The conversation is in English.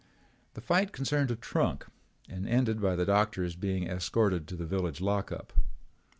The fight concerned a trunk and ended by the doctor's being escorted to the village lockup.